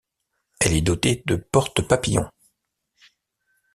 Elle est dotée de portes papillons.